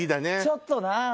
ちょっとな。